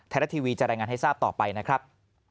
รัฐทีวีจะรายงานให้ทราบต่อไปนะครับ